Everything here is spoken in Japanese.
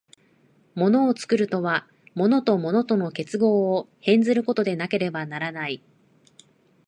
物を作るとは、物と物との結合を変ずることでなければならない。